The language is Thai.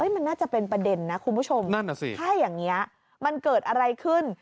มันน่าจะเป็นประเด็นนะคุณผู้ชมนั่นน่ะสิถ้าอย่างนี้มันเกิดอะไรขึ้น